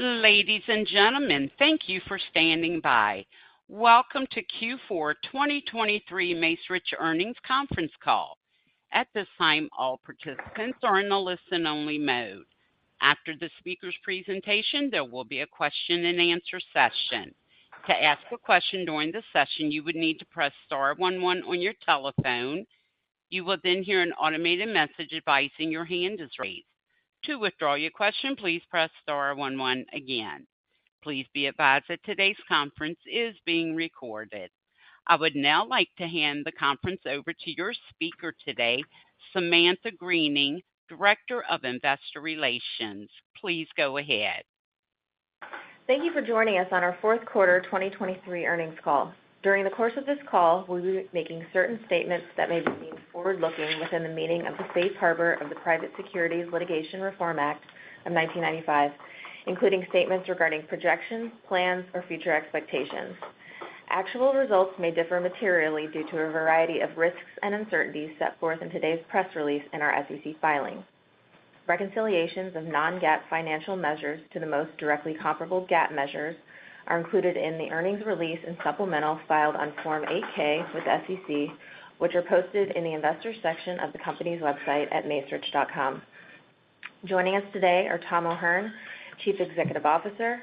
Ladies and gentlemen, thank you for standing by. Welcome to Q4 2023 Macerich Earnings Conference Call. At this time, all participants are in a listen-only mode. After the speaker's presentation, there will be a question-and-answer session. To ask a question during the session, you would need to press star one one on your telephone. You will then hear an automated message advising your hand is raised. To withdraw your question, please press star one one again. Please be advised that today's conference is being recorded. I would now like to hand the conference over to your speaker today, Samantha Greening, Director of Investor Relations. Please go ahead. Thank you for joining us on our Q4 2023 Earnings Call. During the course of this call, we'll be making certain statements that may be deemed forward-looking within the meaning of the Safe Harbor of the Private Securities Litigation Reform Act of 1995, including statements regarding projections, plans, or future expectations. Actual results may differ materially due to a variety of risks and uncertainties set forth in today's press release and our SEC filing. Reconciliations of non-GAAP financial measures to the most directly comparable GAAP measures are included in the earnings release and supplemental filed on Form 8-K with SEC, which are posted in the Investors section of the company's website at macerich.com. Joining us today are Tom O'Hern, Chief Executive Officer,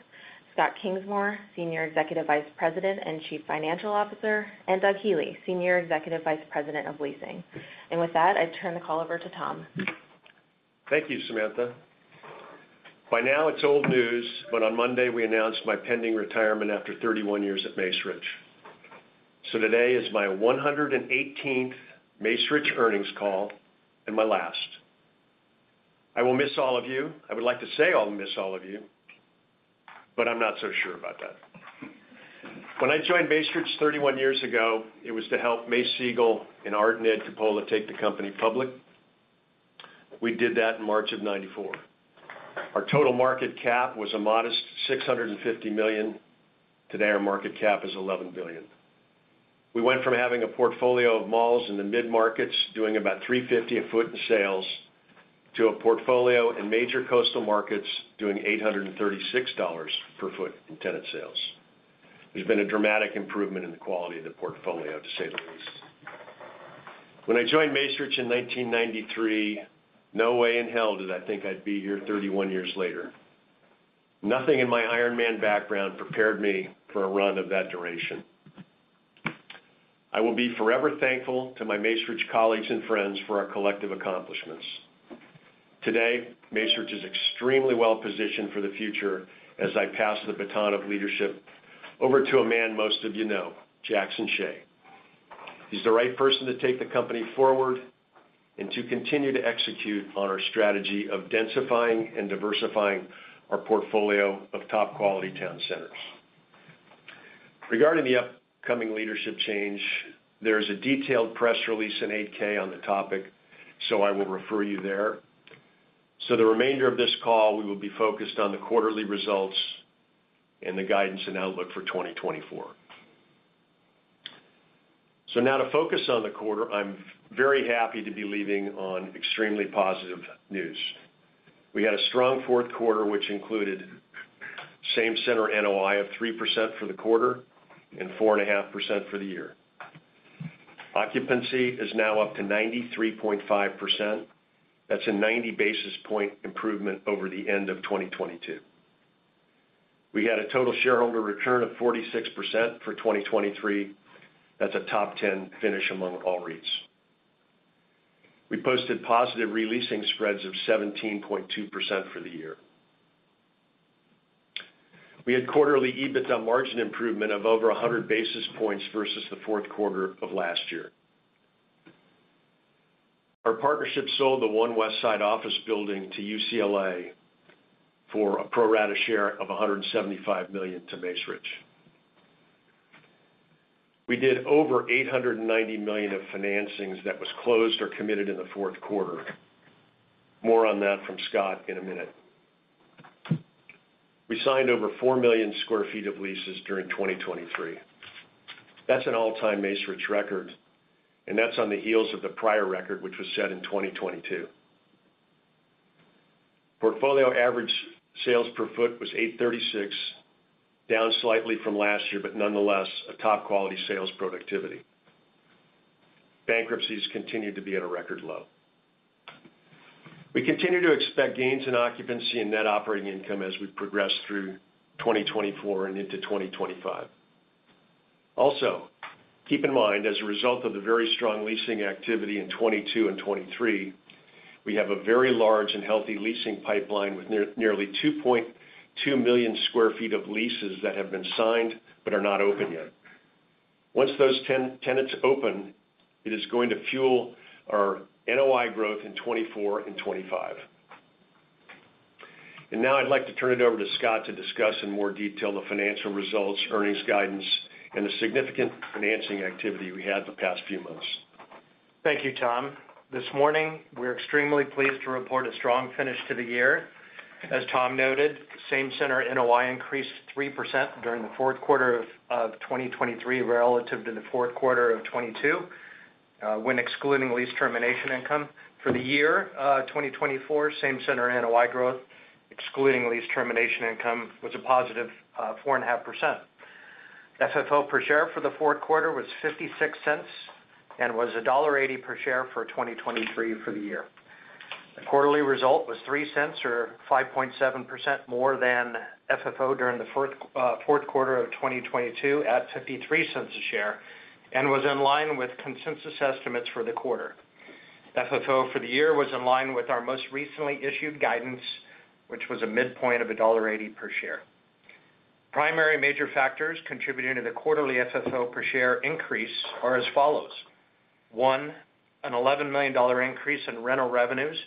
Scott Kingsmore, Senior Executive Vice President and Chief Financial Officer, and Doug Healey, Senior Executive Vice President of Leasing. With that, I turn the call over to Tom. Thank you, Samantha. By now, it's old news, but on Monday, we announced my pending retirement after 31 years at Macerich. So today is my 118th Macerich earnings call, and my last. I will miss all of you. I would like to say I'll miss all of you, but I'm not so sure about that. When I joined Macerich 31 years ago, it was to help Mace Siegel and Art and Ed Coppola take the company public. We did that in March of 1994. Our total market cap was a modest $650 million. Today, our market cap is $11 billion. We went from having a portfolio of malls in the mid-markets, doing about $350 a foot in sales, to a portfolio in major coastal markets, doing $836 per foot in tenant sales. There's been a dramatic improvement in the quality of the portfolio, to say the least. When I joined Macerich in 1993, no way in hell did I think I'd be here 31 years later. Nothing in my Ironman background prepared me for a run of that duration. I will be forever thankful to my Macerich colleagues and friends for our collective accomplishments. Today, Macerich is extremely well-positioned for the future as I pass the baton of leadership over to a man most of you know, Jackson Hsieh. He's the right person to take the company forward and to continue to execute on our strategy of densifying and diversifying our portfolio of top-quality town centers. Regarding the upcoming leadership change, there's a detailed press release in 8-K on the topic, so I will refer you there. So the remainder of this call, we will be focused on the quarterly results and the guidance and outlook for 2024. So now to focus on the quarter, I'm very happy to be leaving on extremely positive news. We had a strong Q4, which included Same-Center NOI of 3% for the quarter and 4.5% for the year. Occupancy is now up to 93.5%. That's a 90 basis point improvement over the end of 2022. We had a total shareholder return of 46% for 2023. That's a top 10 finish among all REITs. We posted positive re-leasing spreads of 17.2% for the year. We had quarterly EBITDA margin improvement of over 100 basis points versus the Q4 of last year. Our partnership sold the One Westside office building to UCLA for a pro rata share of $175 million to Macerich. We did over $890 million of financings that was closed or committed in the Q4. More on that from Scott in a minute. We signed over 4 million sq ft of leases during 2023. That's an all-time Macerich record, and that's on the heels of the prior record, which was set in 2022. Portfolio average sales per foot was 836, down slightly from last year, but nonetheless, a top-quality sales productivity. Bankruptcies continued to be at a record low. We continue to expect gains in occupancy and net operating income as we progress through 2024 and into 2025. Also, keep in mind, as a result of the very strong leasing activity in 2022 and 2023, we have a very large and healthy leasing pipeline with nearly 2.2 million sq ft of leases that have been signed but are not open yet. Once those tenants open, it is going to fuel our NOI growth in 2024 and 2025. Now I'd like to turn it over to Scott to discuss in more detail the financial results, earnings guidance, and the significant financing activity we had the past few months. Thank you, Tom. This morning, we're extremely pleased to report a strong finish to the year. As Tom noted, Same-Center NOI increased 3% during the Q4 of 2023 relative to the Q4 of 2022.... when excluding lease termination income. For the year, 2024, same-center NOI growth, excluding lease termination income, was a positive 4.5%. FFO per share for the Q4 was $0.56 and was $1.80 per share for 2023 for the year. The quarterly result was $0.03, or 5.7% more than FFO during the Q4 of 2022, at $0.53 a share, and was in line with consensus estimates for the quarter. FFO for the year was in line with our most recently issued guidance, which was a midpoint of $1.80 per share. Primary major factors contributing to the quarterly FFO per share increase are as follows: One, a $11 million increase in rental revenues,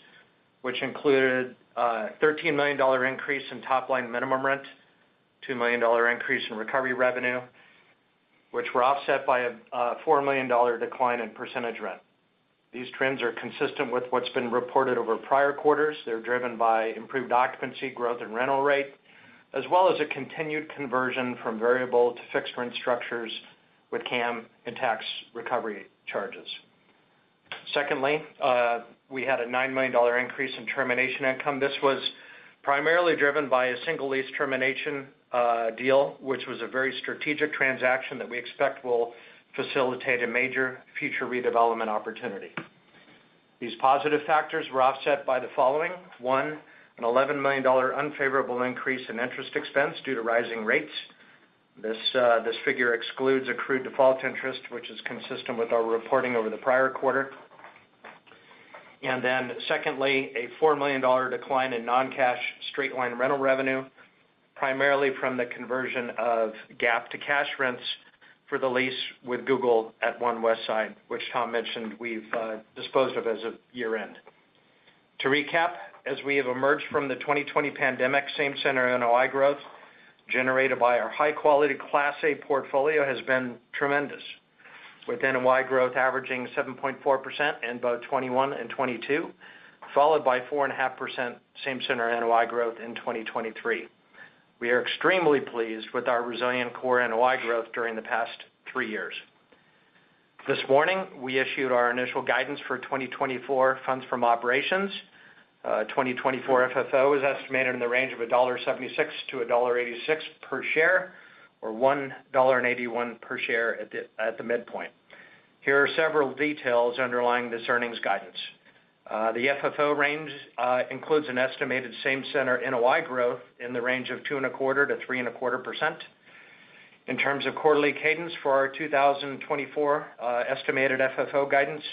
which included, a $13 million increase in top-line minimum rent, $2 million increase in recovery revenue, which were offset by a, $4 million decline in percentage rent. These trends are consistent with what's been reported over prior quarters. They're driven by improved occupancy growth and rental rate, as well as a continued conversion from variable to fixed rent structures with CAM and tax recovery charges. Secondly, we had a $9 million increase in termination income. This was primarily driven by a single lease termination, deal, which was a very strategic transaction that we expect will facilitate a major future redevelopment opportunity. These positive factors were offset by the following: One, an $11 million unfavorable increase in interest expense due to rising rates. This, this figure excludes accrued default interest, which is consistent with our reporting over the prior quarter. And then secondly, a $4 million decline in non-cash straight-line rental revenue, primarily from the conversion of GAAP to cash rents for the lease with Google at One Westside, which Tom mentioned, we've disposed of as of year-end. To recap, as we have emerged from the 2020 pandemic, same-center NOI growth, generated by our high-quality Class A portfolio, has been tremendous, with NOI growth averaging 7.4% in both 2021 and 2022, followed by 4.5% same-center NOI growth in 2023. We are extremely pleased with our resilient core NOI growth during the past three years. This morning, we issued our initial guidance for 2024 funds from operations. 2024 FFO is estimated in the range of $1.76-$1.86 per share or $1.81 per share at the midpoint. Here are several details underlying this earnings guidance. The FFO range includes an estimated Same-Center NOI growth in the range of 2.25%-3.25%. In terms of quarterly cadence for our 2024 estimated FFO guidance,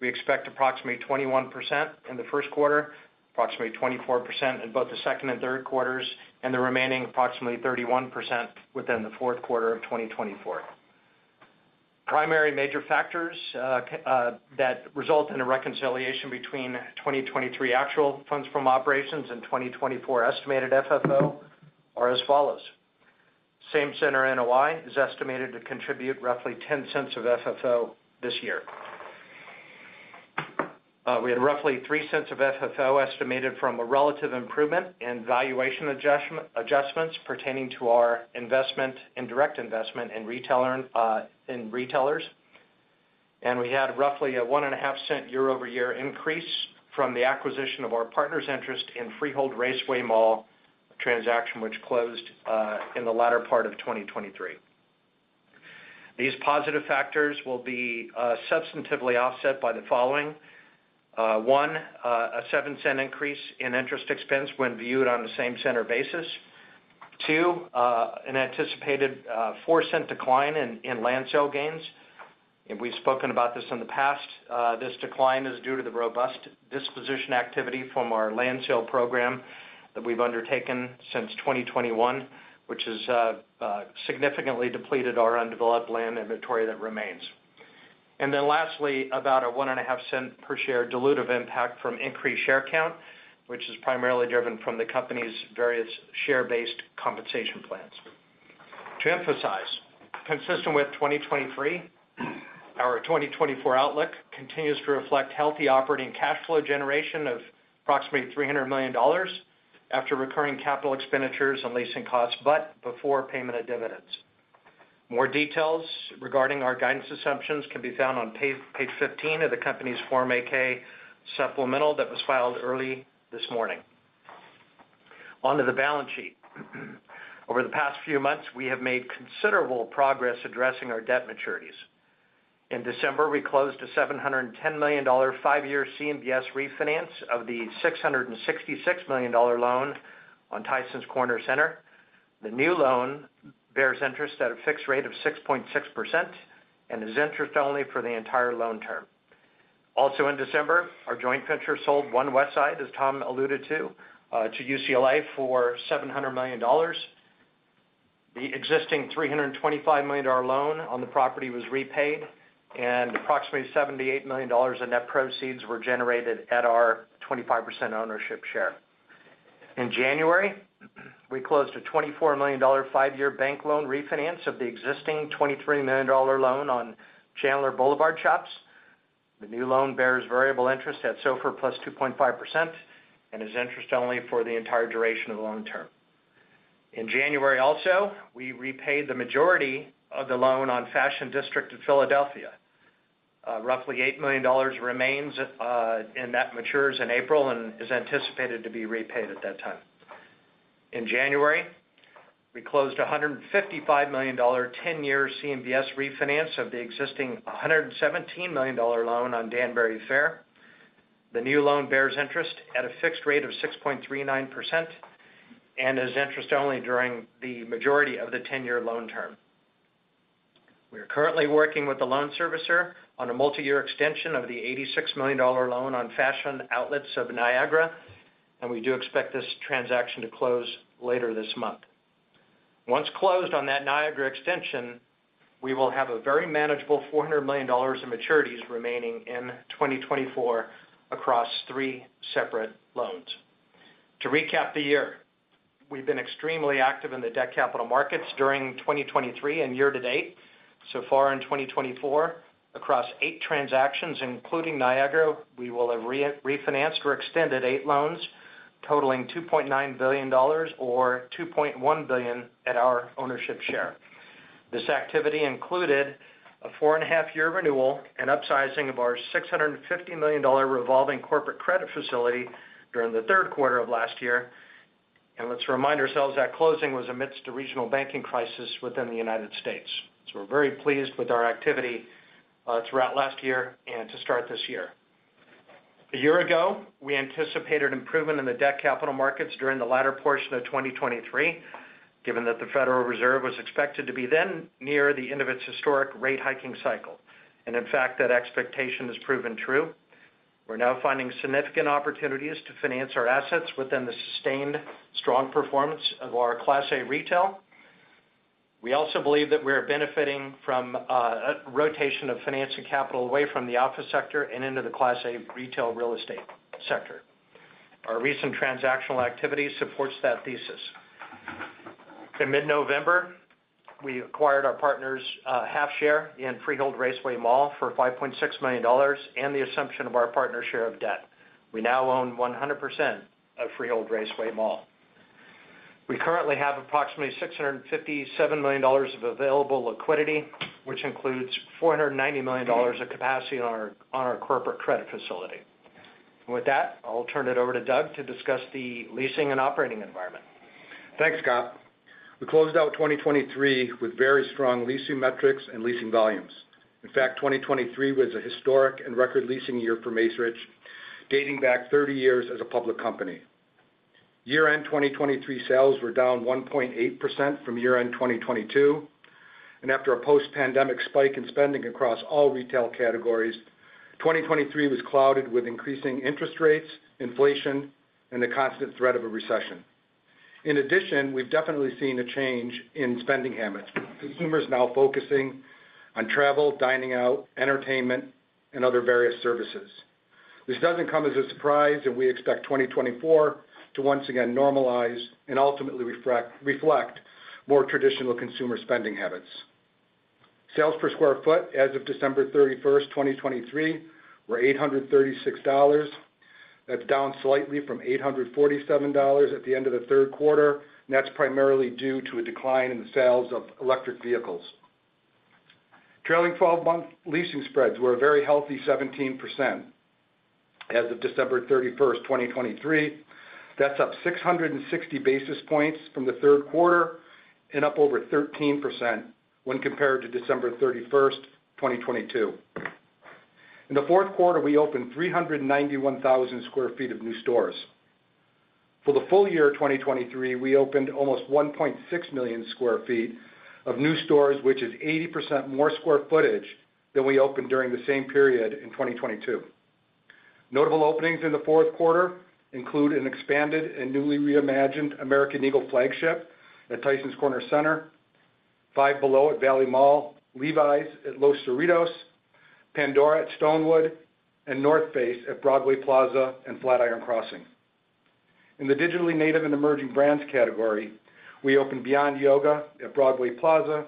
we expect approximately 21% in the Q1, approximately 24% in both the second and Q3s, and the remaining approximately 31% within the Q4 of 2024. Primary major factors that result in a reconciliation between 2023 actual funds from operations and 2024 estimated FFO are as follows: Same-Center NOI is estimated to contribute roughly $0.10 of FFO this year. We had roughly $0.03 of FFO estimated from a relative improvement in valuation adjustments pertaining to our investment and direct investment in retailers. We had roughly a $0.015 year-over-year increase from the acquisition of our partner's interest in Freehold Raceway Mall, a transaction which closed in the latter part of 2023. These positive factors will be substantively offset by the following: one, a $0.07 increase in interest expense when viewed on the Same Center basis. Two, an anticipated 4-cent decline in land sale gains. We've spoken about this in the past, this decline is due to the robust disposition activity from our land sale program that we've undertaken since 2021, which has significantly depleted our undeveloped land inventory that remains. Then lastly, about a $0.015 per share dilutive impact from increased share count, which is primarily driven from the company's various share-based compensation plans. To emphasize, consistent with 2023, our 2024 outlook continues to reflect healthy operating cash flow generation of approximately $300 million after recurring capital expenditures and leasing costs, but before payment of dividends. More details regarding our guidance assumptions can be found on page 15 of the company's Form 8-K supplemental that was filed early this morning. On to the balance sheet. Over the past few months, we have made considerable progress addressing our debt maturities. In December, we closed a $710 million 5-year CMBS refinance of the $666 million loan on Tysons Corner Center. The new loan bears interest at a fixed rate of 6.6% and is interest only for the entire loan term. Also in December, our joint venture sold One Westside, as Tom alluded to, to UCLA for $700 million. The existing $325 million loan on the property was repaid, and approximately $78 million in net proceeds were generated at our 25% ownership share. In January, we closed a $24 million 5-year bank loan refinance of the existing $23 million loan on Chandler Fashion Center. The new loan bears variable interest at SOFR plus 2.5% and is interest only for the entire duration of the loan term. In January also, we repaid the majority of the loan on Fashion District in Philadelphia. Roughly $8 million remains, and that matures in April and is anticipated to be repaid at that time. In January, we closed a $155 million, ten-year CMBS refinance of the existing $117 million loan on Danbury Fair. The new loan bears interest at a fixed rate of 6.39% and is interest-only during the majority of the ten-year loan term. We are currently working with the loan servicer on a multi-year extension of the $86 million loan on Fashion Outlets of Niagara, and we do expect this transaction to close later this month. Once closed on that Niagara extension, we will have a very manageable $400 million in maturities remaining in 2024 across three separate loans. To recap the year, we've been extremely active in the debt capital markets during 2023 and year-to-date. So far in 2024, across 8 transactions, including Niagara, we will have refinanced or extended 8 loans totaling $2.9 billion or $2.1 billion at our ownership share. This activity included a 4.5-year renewal and upsizing of our $650 million revolving corporate credit facility during the Q3 of last year. Let's remind ourselves that closing was amidst a regional banking crisis within the United States. So we're very pleased with our activity throughout last year and to start this year. A year ago, we anticipated improvement in the debt capital markets during the latter portion of 2023, given that the Federal Reserve was expected to be then near the end of its historic rate hiking cycle. In fact, that expectation has proven true. We're now finding significant opportunities to finance our assets within the sustained strong performance of our Class A retail. We also believe that we are benefiting from rotation of financing capital away from the office sector and into the Class A retail real estate sector. Our recent transactional activity supports that thesis. In mid-November, we acquired our partner's half share in Freehold Raceway Mall for $5.6 million and the assumption of our partner's share of debt. We now own 100% of Freehold Raceway Mall. We currently have approximately $657 million of available liquidity, which includes $490 million of capacity on our corporate credit facility. With that, I'll turn it over to Doug to discuss the leasing and operating environment. Thanks, Scott. We closed out 2023 with very strong leasing metrics and leasing volumes. In fact, 2023 was a historic and record leasing year for Macerich, dating back 30 years as a public company. Year-end 2023 sales were down 1.8% from year-end 2022, and after a post-pandemic spike in spending across all retail categories, 2023 was clouded with increasing interest rates, inflation, and the constant threat of a recession. In addition, we've definitely seen a change in spending habits, with consumers now focusing on travel, dining out, entertainment, and other various services. This doesn't come as a surprise, and we expect 2024 to once again normalize and ultimately reflect more traditional consumer spending habits. Sales per square foot as of December 31, 2023, were $836. That's down slightly from $847 at the end of the Q3, and that's primarily due to a decline in the sales of electric vehicles. Trailing twelve-month leasing spreads were a very healthy 17% as of December 31, 2023. That's up 660 basis points from the Q3 and up over 13% when compared to December 31st, 2022. In the Q4, we opened 391,000 sq ft of new stores. For the full year of 2023, we opened almost 1.6 million sq ft of new stores, which is 80% more square footage than we opened during the same period in 2022. Notable openings in the Q4 include an expanded and newly reimagined American Eagle flagship at Tysons Corner Center, Five Below at Valley Mall, Levi's at Los Cerritos, Pandora at Stonewood, and North Face at Broadway Plaza and FlatIron Crossing. In the digitally native and emerging brands category, we opened Beyond Yoga at Broadway Plaza,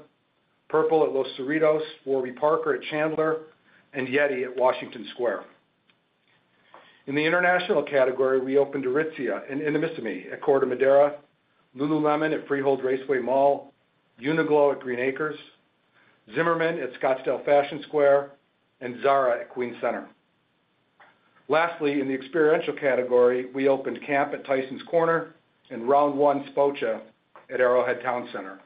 Purple at Los Cerritos, Warby Parker at Chandler, and YETI at Washington Square. In the international category, we opened Aritzia and Intimissimi at Corte Madera, Lululemon at Freehold Raceway Mall, Uniqlo at Green Acres, Zimmermann at Scottsdale Fashion Square, and Zara at Queens Center. Lastly, in the experiential category, we opened CAMP at Tysons Corner and Round1 Spo-Cha at Arrowhead Towne Center.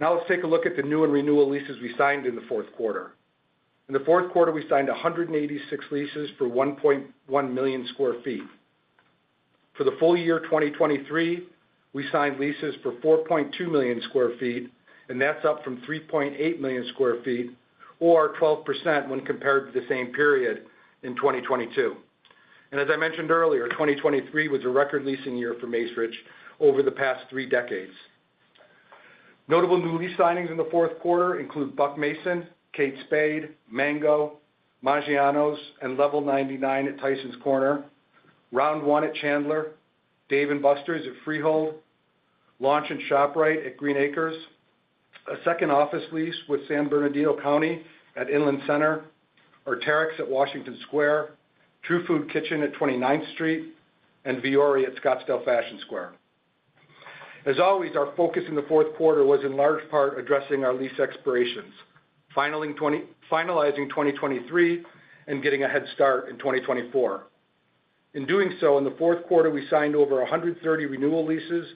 Now, let's take a look at the new and renewal leases we signed in the Q4. In the Q4, we signed 186 leases for 1.1 million sq ft. For the full year 2023, we signed leases for 4.2 million sq ft, and that's up from 3.8 million sq ft, or 12%, when compared to the same period in 2022. As I mentioned earlier, 2023 was a record leasing year for Macerich over the past three decades. Notable new lease signings in the Q4 include Buck Mason, Kate Spade, Mango, Maggiano's, and Level99 at Tysons Corner, Round1 at Chandler, Dave & Buster's at Freehold, Launch and ShopRite at Green Acres, a second office lease with San Bernardino County at Inland Center, Arc'teryx at Washington Square, True Food Kitchen at Twenty Ninth Street, and Vuori at Scottsdale Fashion Square. As always, our focus in the Q4 was in large part addressing our lease expirations, finalizing 2023 and getting a head start in 2024. In doing so, in the Q4, we signed over 130 renewal leases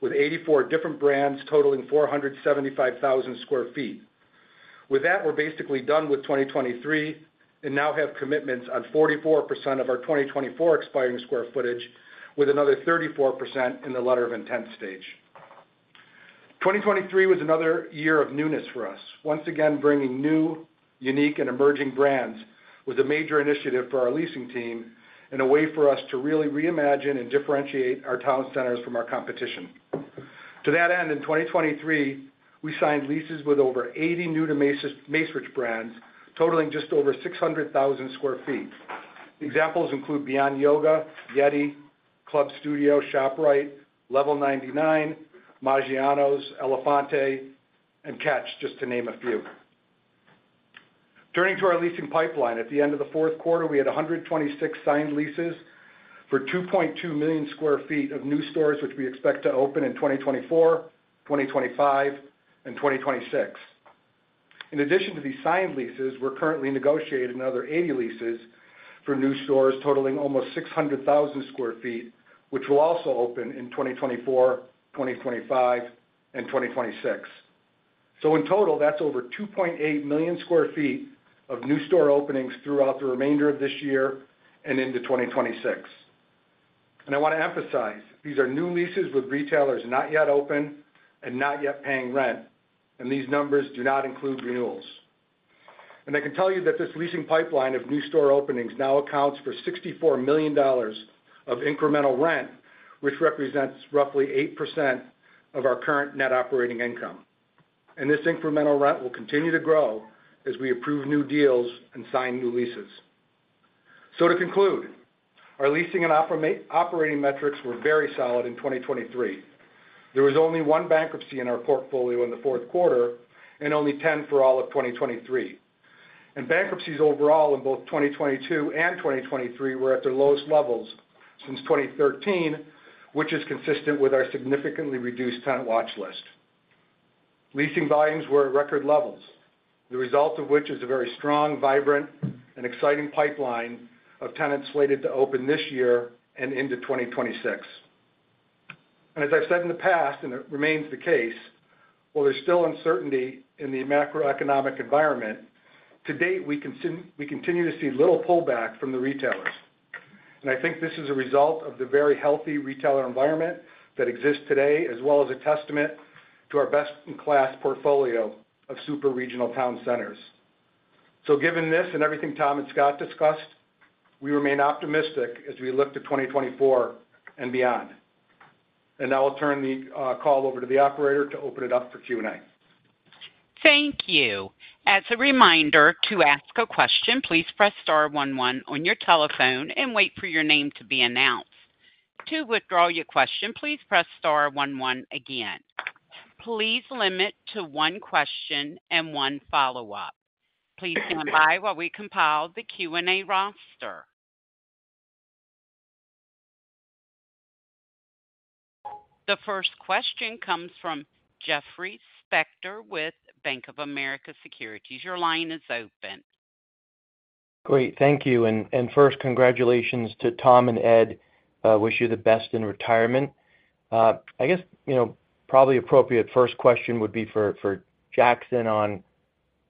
with 84 different brands, totaling 475,000 sq ft. With that, we're basically done with 2023 and now have commitments on 44% of our 2024 expiring square footage, with another 34% in the letter of intent stage. 2023 was another year of newness for us, once again, bringing new, unique, and emerging brands, with a major initiative for our leasing team and a way for us to really reimagine and differentiate our town centers from our competition. To that end, in 2023, we signed leases with over 80 new to Macerich brands, totaling just over 600,000 sq ft. Examples include Beyond Yoga, YETI, Club Studio, ShopRite, Level99, Maggiano's, Elefante, and Catch, just to name a few. Turning to our leasing pipeline, at the end of the Q4, we had 126 signed leases for 2.2 million sq ft of new stores, which we expect to open in 2024, 2025, and 2026. In addition to these signed leases, we're currently negotiating another 80 leases for new stores, totaling almost 600,000 sq ft, which will also open in 2024, 2025, and 2026. So in total, that's over 2.8 million sq ft of new store openings throughout the remainder of this year and into 2026. And I wanna emphasize, these are new leases with retailers not yet open and not yet paying rent, and these numbers do not include renewals. And I can tell you that this leasing pipeline of new store openings now accounts for $64 million of incremental rent, which represents roughly 8% of our current net operating income. And this incremental rent will continue to grow as we approve new deals and sign new leases. So to conclude, our leasing and operating metrics were very solid in 2023. There was only one bankruptcy in our portfolio in the Q4 and only 10 for all of 2023. And bankruptcies overall in both 2022 and 2023 were at their lowest levels since 2013, which is consistent with our significantly reduced tenant watch list. Leasing volumes were at record levels, the result of which is a very strong, vibrant, and exciting pipeline of tenants slated to open this year and into 2026. As I've said in the past, and it remains the case, while there's still uncertainty in the macroeconomic environment, to date, we continue to see little pullback from the retailers. And I think this is a result of the very healthy retailer environment that exists today, as well as a testament to our best-in-class portfolio of super regional town centers. So given this and everything Tom and Scott discussed, we remain optimistic as we look to 2024 and beyond. And now I'll turn the call over to the operator to open it up for Q&A. Thank you. As a reminder, to ask a question, please press star one one on your telephone and wait for your name to be announced. To withdraw your question, please press star one one again. Please limit to one question and one follow-up. Please stand by while we compile the Q&A roster. The first question comes from Jeffrey Spector with Bank of America Securities. Your line is open. Great, thank you. And first, congratulations to Tom and Ed. Wish you the best in retirement. I guess, you know, probably appropriate first question would be for Jackson on,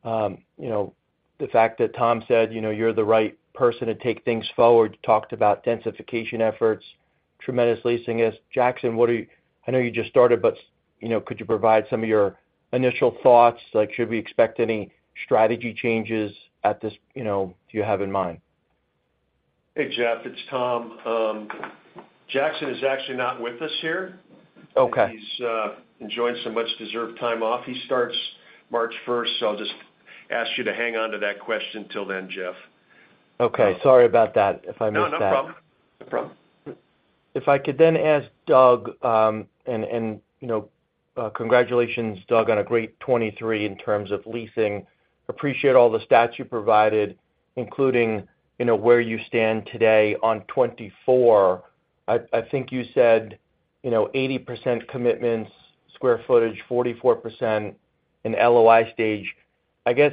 you know, the fact that Tom said, you know, you're the right person to take things forward. Talked about densification efforts, tremendous leasing is-- Jackson, what are you-- I know you just started, but, you know, could you provide some of your initial thoughts, like, should we expect any strategy changes at this, you know, do you have in mind? Hey, Jeff, it's Tom. Jackson is actually not with us here. Okay. He's enjoying some much-deserved time off. He starts March first, so I'll just ask you to hang on to that question till then, Jeff. Okay. Sorry about that, if I missed that. No, no problem. No problem. If I could then ask Doug, and, you know, congratulations, Doug, on a great 2023 in terms of leasing. Appreciate all the stats you provided, including, you know, where you stand today on 2024. I think you said, you know, 80% commitments, square footage, 44% in LOI stage. I guess,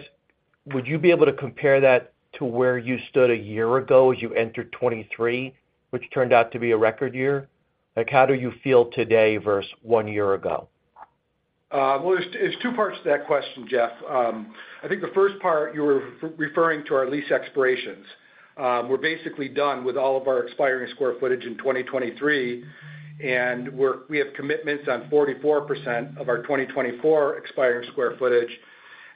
would you be able to compare that to where you stood a year ago as you entered 2023, which turned out to be a record year? Like, how do you feel today versus one year ago? Well, it's two parts to that question, Jeff. I think the first part, you were referring to our lease expirations. We're basically done with all of our expiring square footage in 2023, and we have commitments on 44% of our 2024 expiring square footage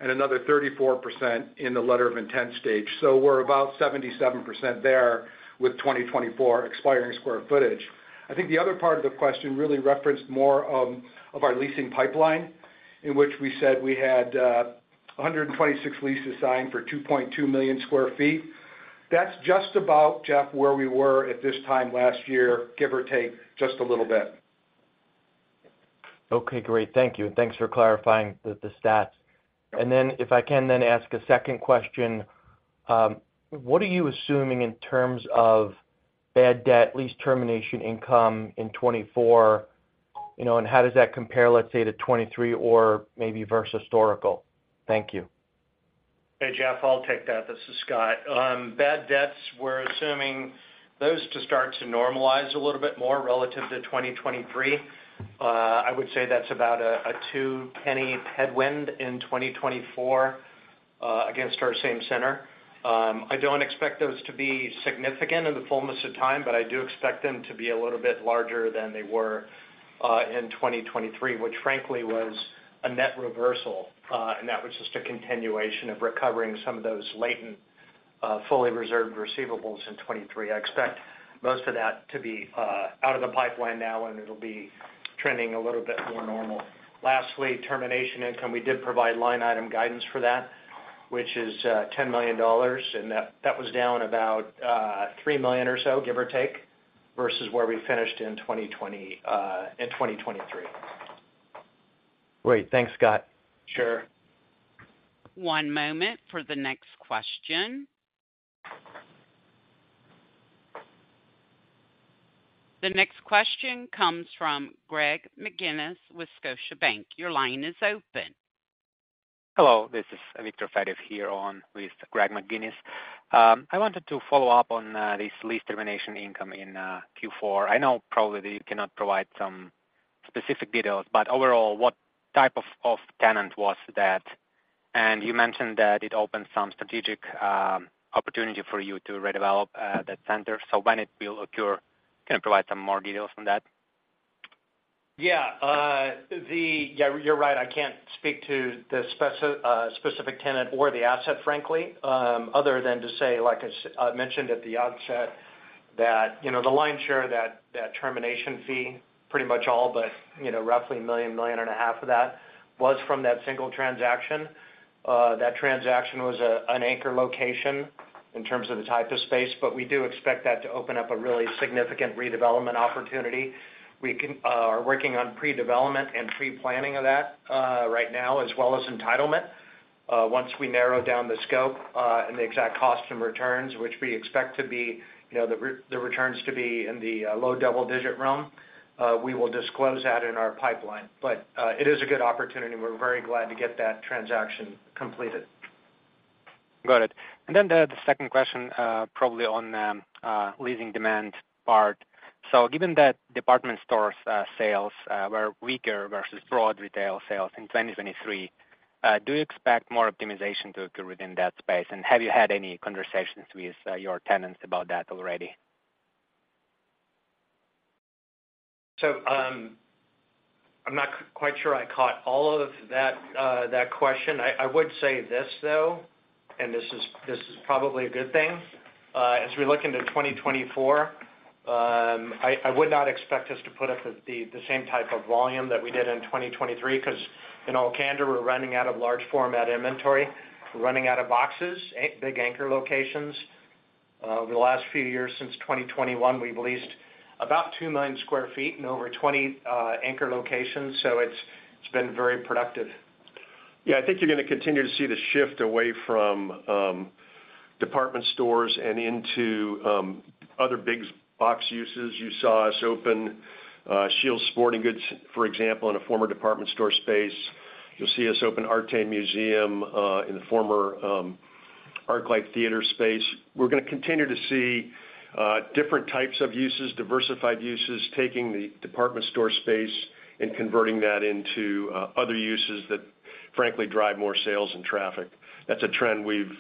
and another 34% in the letter of intent stage. So we're about 77% there with 2024 expiring square footage. I think the other part of the question really referenced more of our leasing pipeline, in which we said we had 126 leases signed for 2.2 million sq ft.... That's just about, Jeff, where we were at this time last year, give or take, just a little bit. Okay, great. Thank you. Thanks for clarifying the, the stats. Then if I can ask a second question, what are you assuming in terms of bad debt, lease termination income in 2024? You know, and how does that compare, let's say, to 2023 or maybe versus historical? Thank you. Hey, Jeff, I'll take that. This is Scott. Bad debts, we're assuming those to start to normalize a little bit more relative to 2023. I would say that's about a $0.02 headwind in 2024, against our same center. I don't expect those to be significant in the fullness of time, but I do expect them to be a little bit larger than they were in 2023, which frankly was a net reversal, and that was just a continuation of recovering some of those latent fully reserved receivables in 2023. I expect most of that to be out of the pipeline now, and it'll be trending a little bit more normal. Lastly, termination income. We did provide line item guidance for that, which is $10 million, and that, that was down about $3 million or so, give or take, versus where we finished in 2020, in 2023. Great. Thanks, Scott. Sure. One moment for the next question. The next question comes from Greg McGinniss with Scotiabank. Your line is open. Hello, this is Viktor Fediv here on with Greg McGinniss. I wanted to follow up on this lease termination income in Q4. I know probably you cannot provide some specific details, but overall, what type of tenant was that? And you mentioned that it opened some strategic opportunity for you to redevelop that center. So when it will occur, can you provide some more details on that? Yeah, you're right, I can't speak to the specific tenant or the asset, frankly, other than to say, like I mentioned at the onset, that, you know, the lion's share of that termination fee, pretty much all, but, you know, roughly $1 million-$1.5 million of that, was from that single transaction. That transaction was an anchor location in terms of the type of space, but we do expect that to open up a really significant redevelopment opportunity. We are working on predevelopment and preplanning of that right now, as well as entitlement. Once we narrow down the scope and the exact cost and returns, which we expect to be, you know, the returns to be in the low double-digit realm, we will disclose that in our pipeline. But, it is a good opportunity. We're very glad to get that transaction completed. Got it. And then the second question, probably on leasing demand part. So given that department stores sales were weaker versus broad retail sales in 2023, do you expect more optimization to occur within that space? And have you had any conversations with your tenants about that already? So, I'm not quite sure I caught all of that question. I would say this, though, and this is probably a good thing. As we look into 2024, I would not expect us to put up with the same type of volume that we did in 2023, because in all candor, we're running out of large format inventory. We're running out of boxes, big anchor locations. Over the last few years, since 2021, we've leased about 2 million sq ft in over 20 anchor locations, so it's been very productive. Yeah, I think you're going to continue to see the shift away from department stores and into other big box uses. You saw us open Scheels Sporting Goods, for example, in a former department store space. You'll see us open Arte Museum in the former ArcLight theater space. We're going to continue to see different types of uses, diversified uses, taking the department store space and converting that into other uses that, frankly, drive more sales and traffic. That's a trend we've,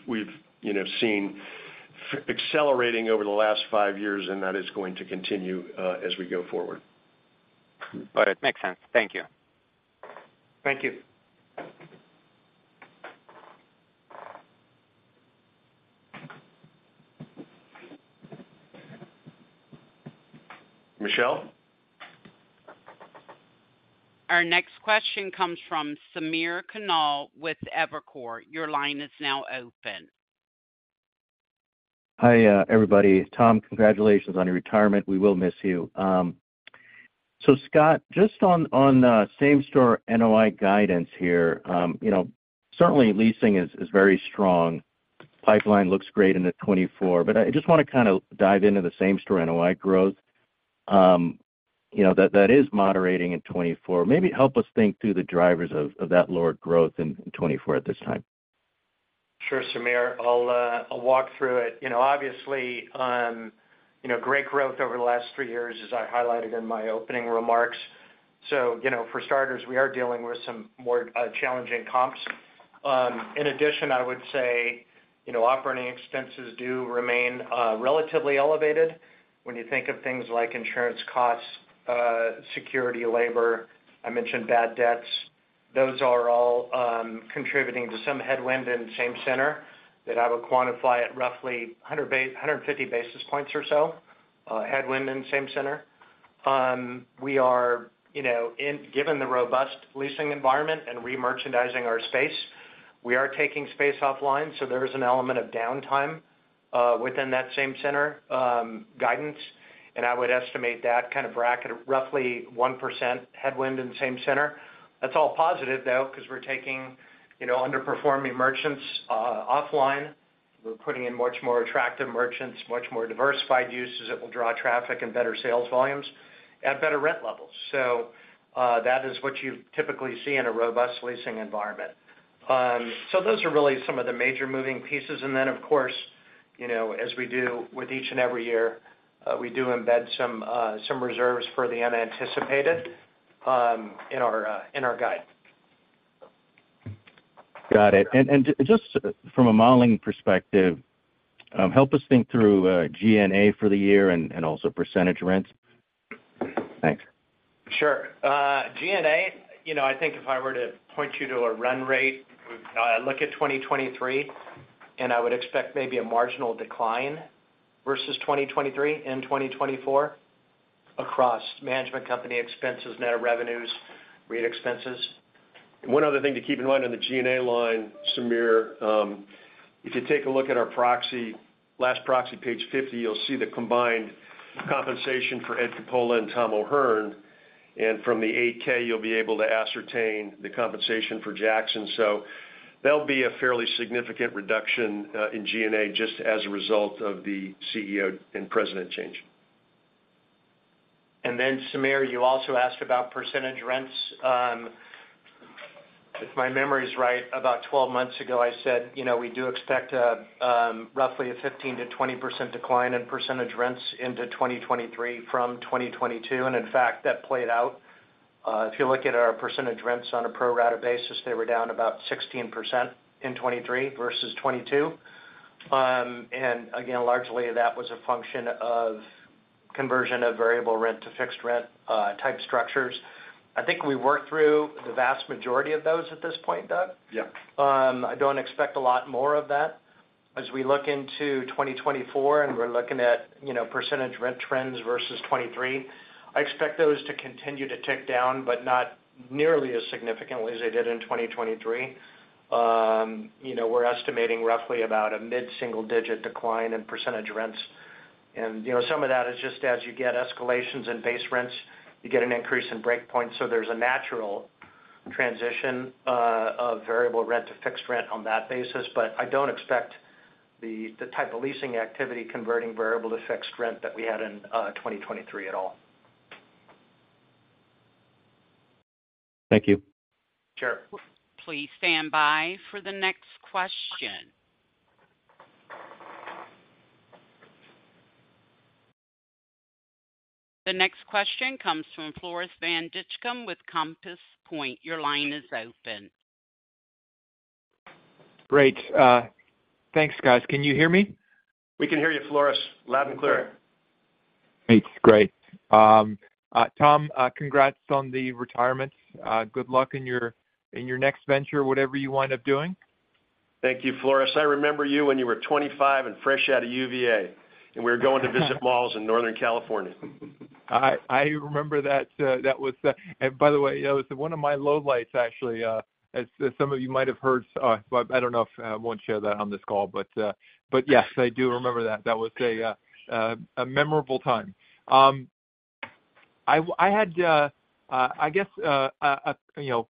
you know, seen accelerating over the last five years, and that is going to continue as we go forward. Got it. Makes sense. Thank you. Thank you. Michelle? Our next question comes from Samir Khanal with Evercore. Your line is now open. Hi, everybody. Tom, congratulations on your retirement. We will miss you. So Scott, just on same store NOI guidance here, you know, certainly leasing is very strong. Pipeline looks great into 2024, but I just want to kind of dive into the same store NOI growth, you know, that is moderating in 2024. Maybe help us think through the drivers of that lower growth in 2024 at this time. Sure, Samir. I'll, I'll walk through it. You know, obviously, you know, great growth over the last 3 years, as I highlighted in my opening remarks. So, you know, for starters, we are dealing with some more, challenging comps. In addition, I would say, you know, operating expenses do remain, relatively elevated when you think of things like insurance costs, security, labor, I mentioned bad debts. Those are all, contributing to some headwind in same center that I would quantify at roughly 150 basis points or so, headwind in same center. We are, you know, given the robust leasing environment and re-merchandising our space, we are taking space offline, so there is an element of downtime within that same center guidance, and I would estimate that kind of bracket at roughly 1% headwind in the same center. That's all positive, though, because we're taking, you know, underperforming merchants offline. We're putting in much more attractive merchants, much more diversified uses that will draw traffic and better sales volumes at better rent levels. So, that is what you typically see in a robust leasing environment. So those are really some of the major moving pieces. And then, of course, you know, as we do with each and every year, we do embed some reserves for the unanticipated in our guide. Got it. And just from a modeling perspective, help us think through G&A for the year and also percentage rents. Thanks. Sure. G&A, you know, I think if I were to point you to a run rate, look at 2023, and I would expect maybe a marginal decline versus 2023 and 2024 across management company expenses, net revenues, REIT expenses. One other thing to keep in mind on the G&A line, Samir, if you take a look at our proxy, last proxy, page 50, you'll see the combined compensation for Ed Coppola and Tom O'Hern, and from the 8-K, you'll be able to ascertain the compensation for Jackson. That'll be a fairly significant reduction in G&A, just as a result of the CEO and president change. And then, Samir, you also asked about percentage rents. If my memory is right, about 12 months ago, I said, you know, we do expect a roughly a 15%-20% decline in percentage rents into 2023 from 2022, and in fact, that played out. If you look at our percentage rents on a pro rata basis, they were down about 16% in 2023 versus 2022. And again, largely, that was a function of conversion of variable rent to fixed rent type structures. I think we worked through the vast majority of those at this point, Doug? Yep. I don't expect a lot more of that. As we look into 2024 and we're looking at, you know, percentage rent trends versus 2023, I expect those to continue to tick down, but not nearly as significantly as they did in 2023. You know, we're estimating roughly about a mid-single-digit decline in percentage rents. And, you know, some of that is just as you get escalations in base rents, you get an increase in breakpoints, so there's a natural transition, of variable rent to fixed rent on that basis. But I don't expect the, the type of leasing activity converting variable to fixed rent that we had in, 2023 at all. Thank you. Sure. Please stand by for the next question. The next question comes from Floris van Dijkum with Compass Point. Your line is open. Great. Thanks, guys. Can you hear me? We can hear you, Floris, loud and clear. It's great. Tom, congrats on the retirement. Good luck in your, in your next venture, whatever you wind up doing. Thank you, Floris. I remember you when you were 25 and fresh out of UVA, and we were going to visit malls in Northern California. I remember that. That was. And by the way, it was one of my lowlights, actually, as some of you might have heard. But I don't know if I won't share that on this call. But yes, I do remember that. That was a memorable time. I had, I guess, you know,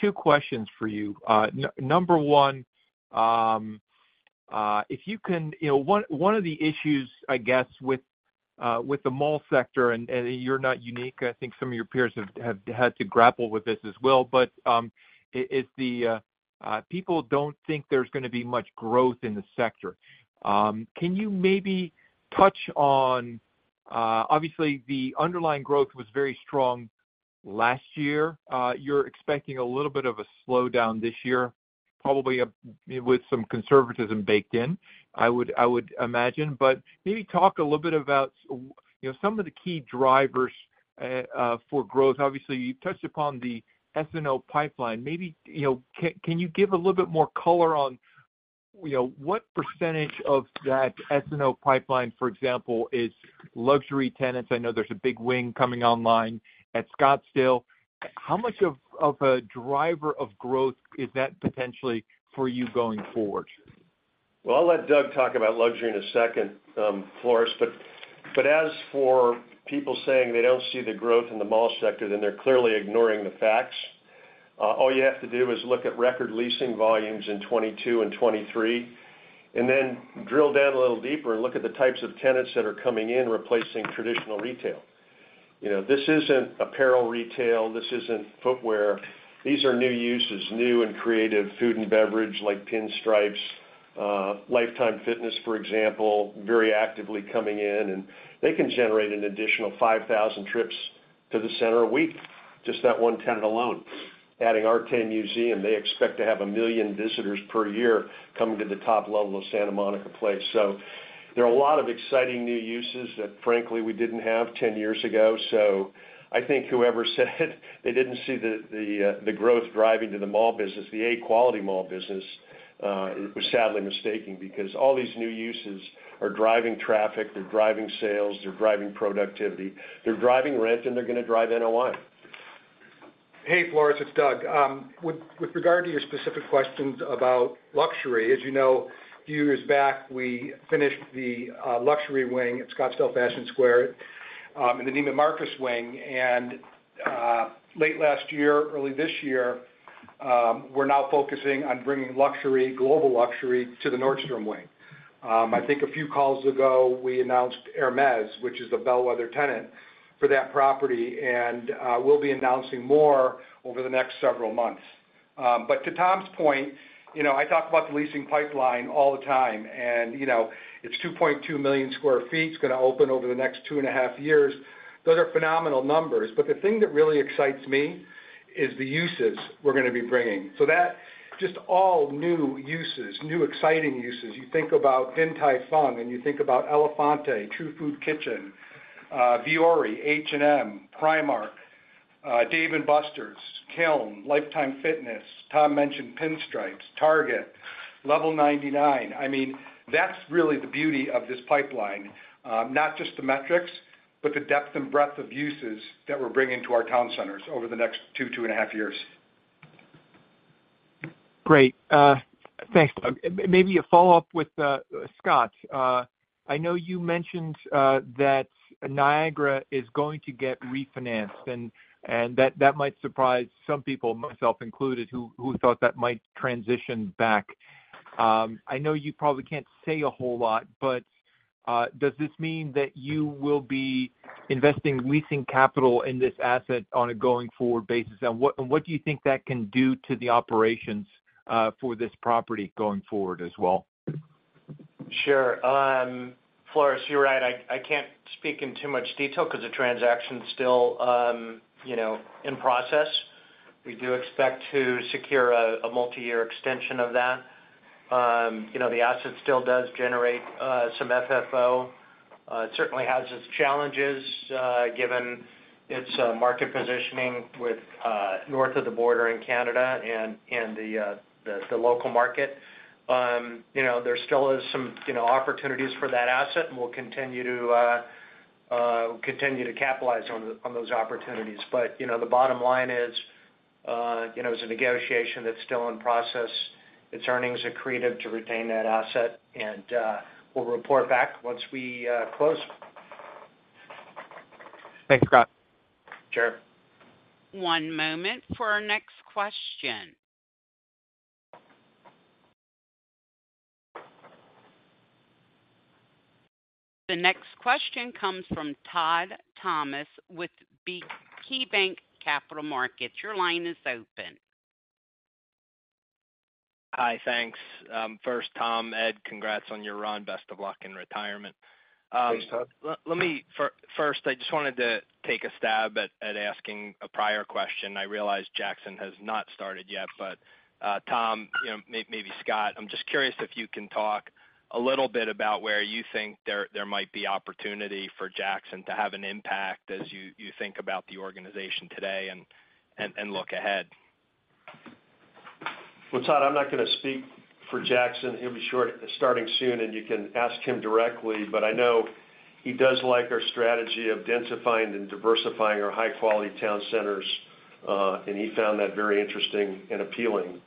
two questions for you. Number one, if you can, you know, one of the issues, I guess, with the mall sector, and you're not unique, I think some of your peers have had to grapple with this as well, but is the people don't think there's going to be much growth in the sector. Can you maybe touch on, obviously, the underlying growth was very strong last year. You're expecting a little bit of a slowdown this year, probably, with some conservatism baked in, I would imagine. But maybe talk a little bit about, you know, some of the key drivers for growth. Obviously, you touched upon the S&O pipeline. Maybe, you know, can you give a little bit more color on, you know, what percentage of that S&O pipeline, for example, is luxury tenants? I know there's a big wing coming online at Scottsdale. How much of a driver of growth is that potentially for you going forward? Well, I'll let Doug talk about luxury in a second, Floris, but, but as for people saying they don't see the growth in the mall sector, then they're clearly ignoring the facts. All you have to do is look at record leasing volumes in 2022 and 2023, and then drill down a little deeper and look at the types of tenants that are coming in, replacing traditional retail. You know, this isn't apparel retail, this isn't footwear. These are new uses, new and creative food and beverage, like Pinstripes, Life Time Fitness, for example, very actively coming in, and they can generate an additional 5,000 trips to the center a week, just that one tenant alone. Adding our 10th museum, they expect to have 1 million visitors per year coming to the top level of Santa Monica Place. So there are a lot of exciting new uses that, frankly, we didn't have 10 years ago. I think whoever said they didn't see the growth driving to the mall business, the A quality mall business, was sadly mistaken, because all these new uses are driving traffic, they're driving sales, they're driving productivity, they're driving rent, and they're gonna drive NOI. Hey, Floris, it's Doug. With regard to your specific questions about luxury, as you know, a few years back, we finished the luxury wing at Scottsdale Fashion Square, and the Neiman Marcus wing. And late last year, early this year, we're now focusing on bringing luxury, global luxury to the Nordstrom wing. I think a few calls ago, we announced Hermès, which is a bellwether tenant for that property, and we'll be announcing more over the next several months. But to Tom's point, you know, I talk about the leasing pipeline all the time, and, you know, it's 2.2 million sq ft, it's gonna open over the next two and a half years. Those are phenomenal numbers. But the thing that really excites me is the uses we're gonna be bringing. So that, just all new uses, new exciting uses. You think about Din Tai Fung, and you think about Elefante, True Food Kitchen, Vuori, H&M, Primark, Dave & Buster's, Kiln, Life Time Fitness. Tom mentioned Pinstripes, Target, Level 99. I mean, that's really the beauty of this pipeline, not just the metrics, but the depth and breadth of uses that we're bringing to our town centers over the next 2-2.5 years. Great. Thanks, Doug. Maybe a follow-up with Scott. I know you mentioned that Niagara is going to get refinanced, and that might surprise some people, myself included, who thought that might transition back. I know you probably can't say a whole lot, but does this mean that you will be investing leasing capital in this asset on a going-forward basis? And what do you think that can do to the operations for this property going forward as well? Sure. Floris, you're right. I can't speak in too much detail because the transaction's still, you know, in process. We do expect to secure a multiyear extension of that. You know, the asset still does generate some FFO. It certainly has its challenges, given its market positioning with north of the border in Canada and the local market. You know, there still is some opportunities for that asset, and we'll continue to capitalize on those opportunities. But, you know, the bottom line is, you know, it's a negotiation that's still in process. It's earnings accretive to retain that asset, and we'll report back once we close. Thanks, Scott. Sure. One moment for our next question. The next question comes from Todd Thomas with KeyBanc Capital Markets. Your line is open. Hi, thanks. First, Tom, Ed, congrats on your run. Best of luck in retirement. Thanks, Todd. Let me first, I just wanted to take a stab at asking a prior question. I realize Jackson has not started yet, but Tom, you know, maybe Scott, I'm just curious if you can talk a little bit about where you think there might be opportunity for Jackson to have an impact as you think about the organization today and look ahead. Well, Todd, I'm not gonna speak for Jackson. He'll be starting soon, and you can ask him directly. But I know he does like our strategy of densifying and diversifying our high-quality town centers, and he found that very interesting and appealing.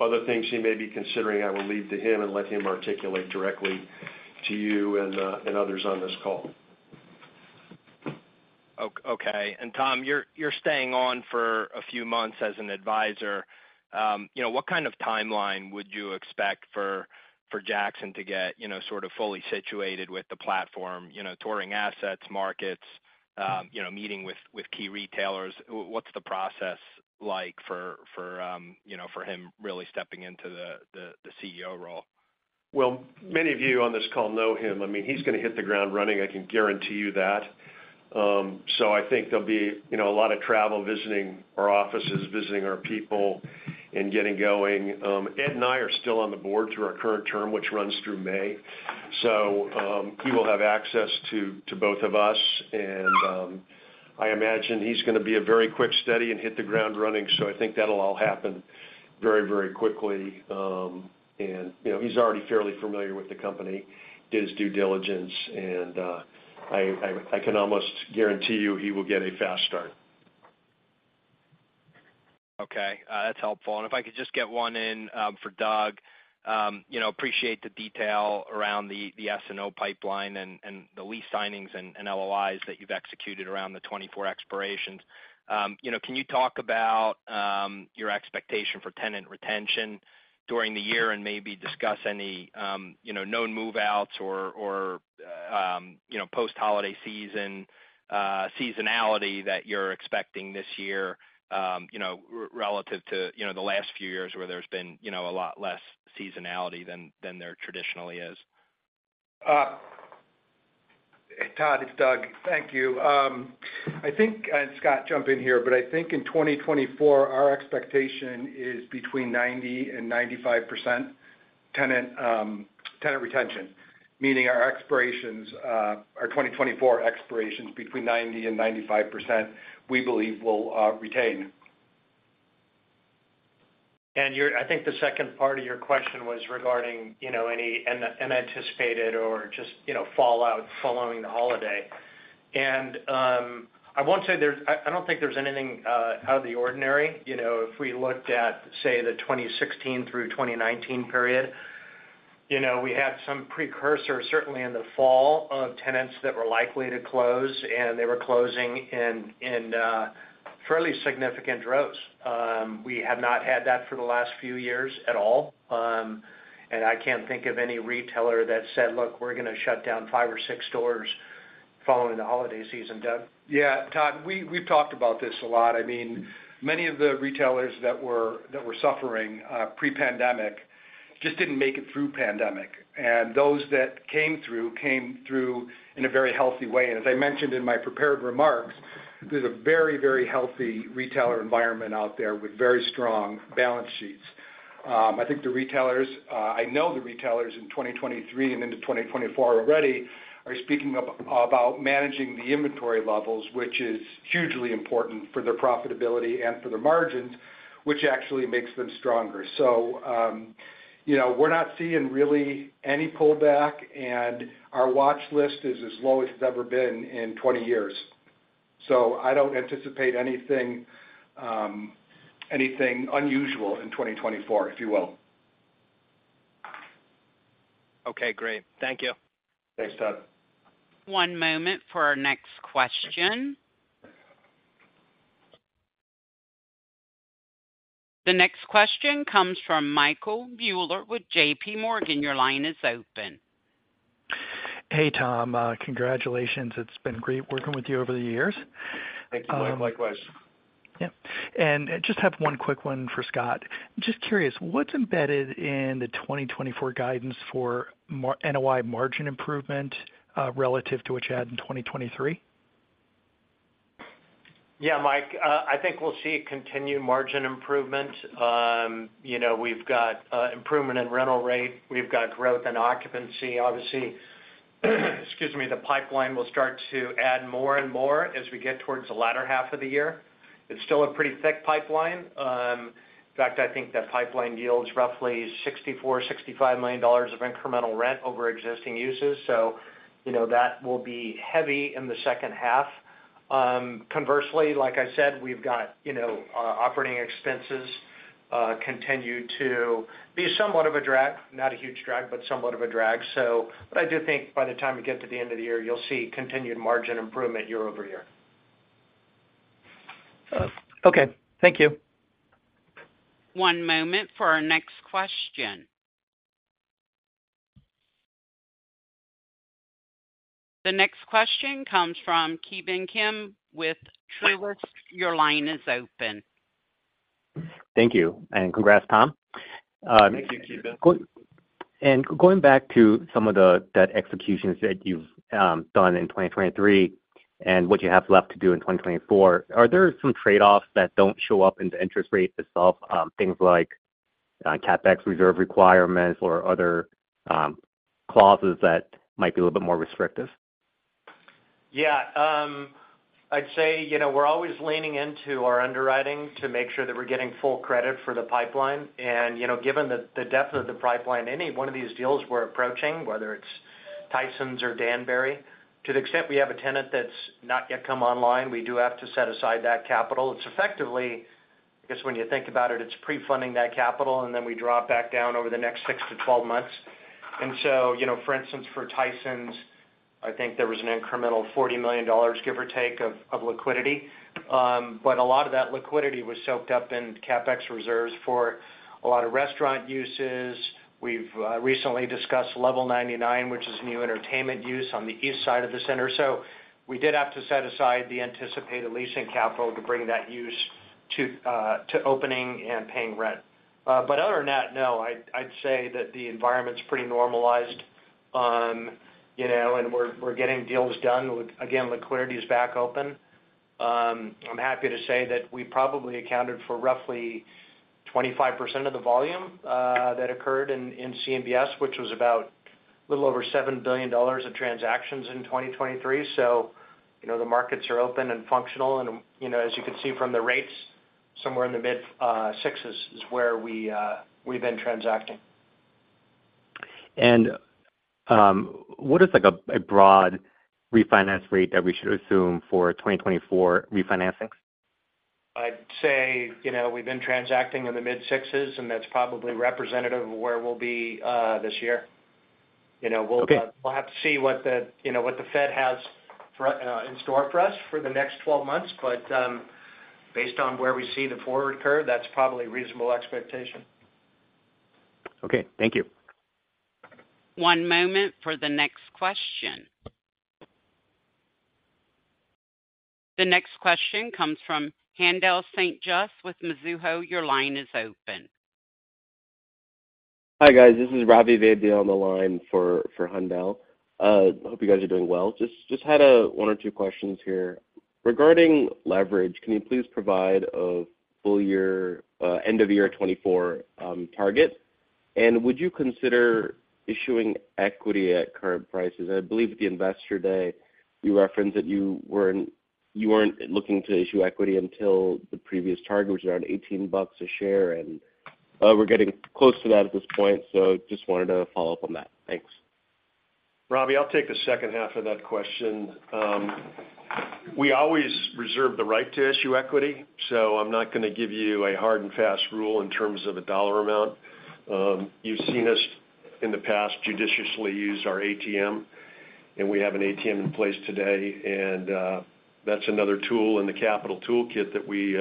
Other things he may be considering, I will leave to him and let him articulate directly to you and others on this call. Okay. And, Tom, you're staying on for a few months as an advisor. You know, what kind of timeline would you expect for Jackson to get, you know, sort of fully situated with the platform, you know, touring assets, markets, you know, meeting with key retailers? What's the process like for, you know, for him really stepping into the CEO role? Well, many of you on this call know him. I mean, he's gonna hit the ground running, I can guarantee you that. So I think there'll be, you know, a lot of travel, visiting our offices, visiting our people, and getting going. Ed and I are still on the board through our current term, which runs through May, so he will have access to both of us. And I imagine he's gonna be a very quick study and hit the ground running, so I think that'll all happen very, very quickly. And, you know, he's already fairly familiar with the company, did his due diligence, and I can almost guarantee you he will get a fast start. Okay, that's helpful. And if I could just get one in, for Doug. You know, appreciate the detail around the S&O pipeline and the lease signings and LOIs that you've executed around the 24 expirations. You know, can you talk about your expectation for tenant retention during the year and maybe discuss any, you know, known move-outs or, you know, post-holiday season seasonality that you're expecting this year, you know, relative to, you know, the last few years where there's been, you know, a lot less seasonality than there traditionally is? Todd, it's Doug. Thank you. I think, and Scott, jump in here, but I think in 2024, our expectation is between 90% and 95% tenant retention, meaning our expirations, our 2024 expirations between 90% and 95%, we believe will retain. And I think the second part of your question was regarding, you know, any unanticipated or just, you know, fallout following the holiday. And I won't say there's—I don't think there's anything out of the ordinary. You know, if we looked at, say, the 2016 through 2019 period, you know, we had some precursor, certainly in the fall, of tenants that were likely to close, and they were closing in fairly significant droves. We have not had that for the last few years at all. And I can't think of any retailer that said, "Look, we're gonna shut down five or six stores following the holiday season." Doug? Yeah, Todd, we've talked about this a lot. I mean, many of the retailers that were suffering pre-pandemic just didn't make it through pandemic. And those that came through, came through in a very healthy way. And as I mentioned in my prepared remarks, there's a very, very healthy retailer environment out there with very strong balance sheets. I think the retailers, I know the retailers in 2023 and into 2024 already are speaking about managing the inventory levels, which is hugely important for their profitability and for their margins, which actually makes them stronger. So, you know, we're not seeing really any pullback, and our watch list is as low as it's ever been in 20 years. So I don't anticipate anything unusual in 2024, if you will. Okay, great. Thank you. Thanks, Todd. One moment for our next question. The next question comes from Michael Mueller with JPMorgan. Your line is open. Hey, Tom, congratulations. It's been great working with you over the years. Thank you, Mike. Likewise. Yep, and I just have one quick one for Scott. Just curious, what's embedded in the 2024 guidance for NOI margin improvement, relative to what you had in 2023? Yeah, Mike, I think we'll see continued margin improvement. You know, we've got improvement in rental rate. We've got growth in occupancy. Obviously, excuse me, the pipeline will start to add more and more as we get towards the latter half of the year. It's still a pretty thick pipeline. In fact, I think that pipeline yields roughly $64-$65 million of incremental rent over existing uses, so you know, that will be heavy in the second half. Conversely, like I said, we've got, you know, operating expenses continue to be somewhat of a drag, not a huge drag, but somewhat of a drag. So, but I do think by the time we get to the end of the year, you'll see continued margin improvement year over year. Okay. Thank you. One moment for our next question. The next question comes from Ki Bin Kim with Truist. Your line is open. Thank you, and congrats, Tom. Thank you, Ki Bin. Going back to some of the debt executions that you've done in 2023 and what you have left to do in 2024, are there some trade-offs that don't show up in the interest rate itself, things like, CapEx reserve requirements or other, clauses that might be a little bit more restrictive? Yeah, I'd say, you know, we're always leaning into our underwriting to make sure that we're getting full credit for the pipeline. And, you know, given the depth of the pipeline, any one of these deals we're approaching, whether it's Tysons or Danbury, to the extent we have a tenant that's not yet come online, we do have to set aside that capital. It's effectively, I guess, when you think about it, it's pre-funding that capital, and then we drop back down over the next 6-12 months. And so, you know, for instance, for Tysons, I think there was an incremental $40 million, give or take, of liquidity. But a lot of that liquidity was soaked up in CapEx reserves for a lot of restaurant uses. We've recently discussed Level99, which is new entertainment use on the east side of the center. So we did have to set aside the anticipated leasing capital to bring that use to opening and paying rent. But other than that, no, I'd say that the environment's pretty normalized. You know, and we're getting deals done. With again, liquidity is back open. I'm happy to say that we probably accounted for roughly 25% of the volume that occurred in CMBS, which was about a little over $7 billion of transactions in 2023. So, you know, the markets are open and functional. And, you know, as you can see from the rates, somewhere in the mid-sixes is where we've been transacting. What is like a broad refinance rate that we should assume for 2024 refinancings? I'd say, you know, we've been transacting in the mid sixes, and that's probably representative of where we'll be, this year. You know- Okay. We'll, we'll have to see what the, you know, what the Fed has in store for us for the next 12 months, but based on where we see the forward curve, that's probably a reasonable expectation. Okay, thank you. One moment for the next question. The next question comes from Haendel St. Juste with Mizuho. Your line is open. Hi, guys, this is Ravi Vaidya on the line for Haendel St. Juste. Hope you guys are doing well. Just had one or two questions here. Regarding leverage, can you please provide a full year end of year 2024 target? And would you consider issuing equity at current prices? I believe at the Investor Day, you referenced that you weren't looking to issue equity until the previous target, which was around $18 a share, and we're getting close to that at this point, so just wanted to follow up on that. Thanks. Ravi, I'll take the second half of that question. We always reserve the right to issue equity, so I'm not going to give you a hard and fast rule in terms of a dollar amount. You've seen us, in the past, judiciously use our ATM, and we have an ATM in place today, and that's another tool in the capital toolkit that we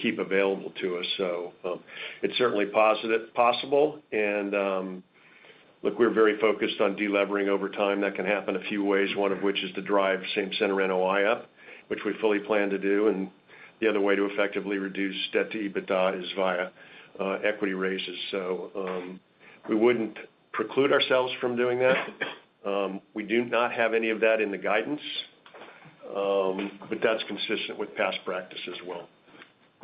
keep available to us. It's certainly possible. And look, we're very focused on delevering over time. That can happen a few ways, one of which is to drive Same-Center NOI up, which we fully plan to do, and the other way to effectively reduce debt to EBITDA is via equity raises. We wouldn't preclude ourselves from doing that. We do not have any of that in the guidance, but that's consistent with past practice as well.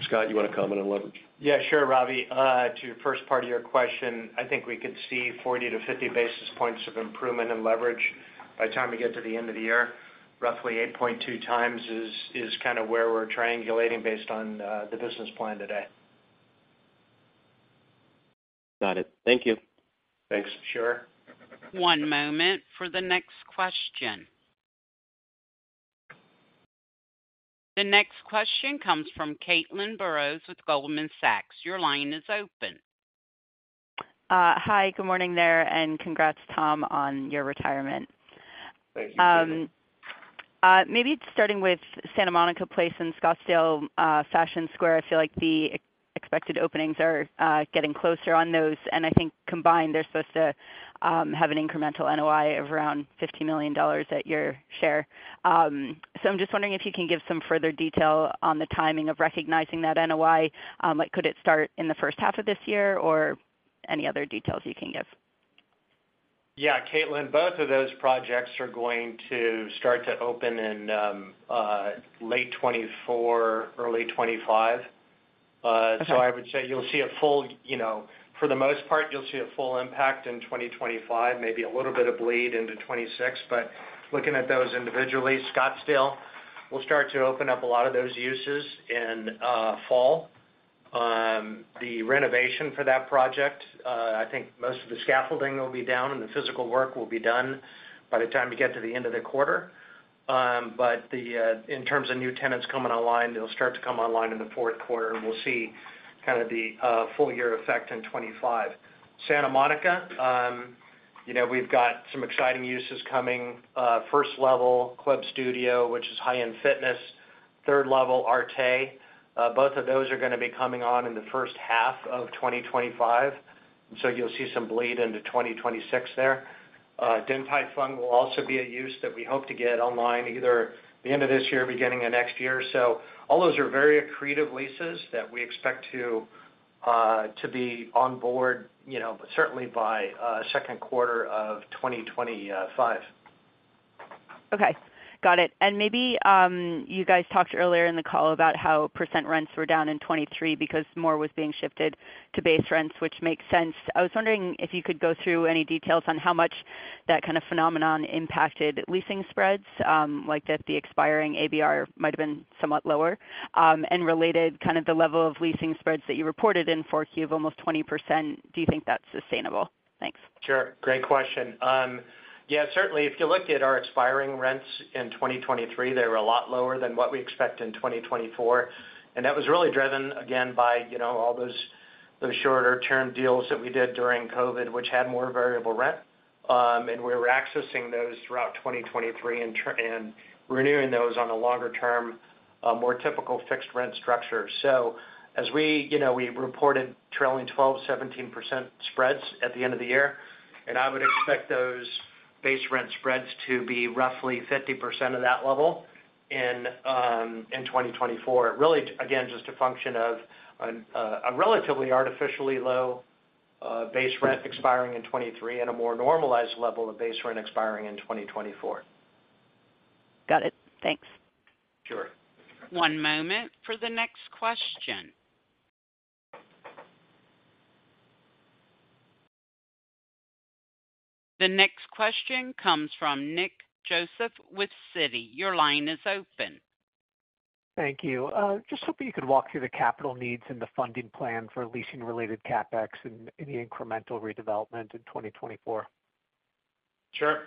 Scott, you want to comment on leverage? Yeah, sure, Ravi. To your first part of your question, I think we could see 40-50 basis points of improvement in leverage by the time we get to the end of the year. Roughly 8.2 times is kind of where we're triangulating based on the business plan today. Got it. Thank you. Thanks. Sure. One moment for the next question. The next question comes from Caitlin Burrows with Goldman Sachs. Your line is open. Hi, good morning there, and congrats, Tom, on your retirement. Thank you, Caitlin. Maybe starting with Santa Monica Place and Scottsdale Fashion Square, I feel like the expected openings are getting closer on those, and I think combined, they're supposed to have an incremental NOI of around $50 million at your share. So I'm just wondering if you can give some further detail on the timing of recognizing that NOI. Like, could it start in the first half of this year or any other details you can give? Yeah, Caitlin, both of those projects are going to start to open in late 2024, early 2025. Okay. So I would say you'll see a full, you know, for the most part, you'll see a full impact in 2025, maybe a little bit of bleed into 2026. But looking at those individually, Scottsdale will start to open up a lot of those uses in fall. The renovation for that project, I think most of the scaffolding will be down and the physical work will be done by the time you get to the end of the quarter. But the, in terms of new tenants coming online, they'll start to come online in the Q4, and we'll see kind of the full year effect in 2025. Santa Monica, you know, we've got some exciting uses coming. First level, Club Studio, which is high-end fitness, third level, Arte. Both of those are going to be coming on in the first half of 2025, so you'll see some bleed into 2026 there. Din Tai Fung will also be a use that we hope to get online, either the end of this year, beginning of next year. So all those are very accretive leases that we expect to to be on board, you know, certainly by Q2 of 2025. Okay, got it. And maybe, you guys talked earlier in the call about how percent rents were down in 2023 because more was being shifted to base rents, which makes sense. I was wondering if you could go through any details on how much that kind of phenomenon impacted leasing spreads, like that the expiring ABR might have been somewhat lower, and related kind of the level of leasing spreads that you reported in 4Q of almost 20%. Do you think that's sustainable? Thanks. Sure. Great question. Yeah, certainly, if you looked at our expiring rents in 2023, they were a lot lower than what we expect in 2024, and that was really driven, again, by, you know, all those, those shorter-term deals that we did during COVID, which had more variable rent. And we were accessing those throughout 2023 and renewing those on a longer-term, more typical fixed rent structure. So as we, you know, we reported trailing twelve, 17% spreads at the end of the year, and I would expect those base rent spreads to be roughly 50% of that level in 2024. Really, again, just a function of a relatively artificially low base rent expiring in 2023 and a more normalized level of base rent expiring in 2024. Got it. Thanks. Sure. One moment for the next question. The next question comes from Nick Joseph with Citi. Your line is open. Thank you. Just hoping you could walk through the capital needs and the funding plan for leasing-related CapEx and any incremental redevelopment in 2024. Sure.